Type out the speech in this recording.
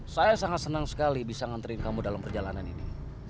saya sangat senang sekali bisa nganterin kamu dalam perjalanan ini